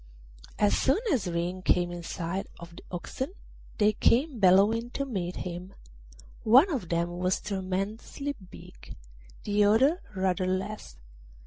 As soon as Ring came in sight of the oxen they came bellowing to meet him; one of them was tremendously big, the other rather less.